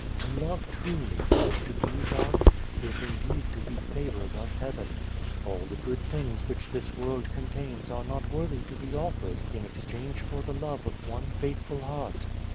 "To love truly, and to be loved, is indeed to be favoured of heaven. All the good things which this world contains are not worthy to be offered in exchange for the love of one faithful heart."